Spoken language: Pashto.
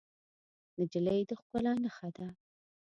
نجلۍ د ښکلا نښه ده.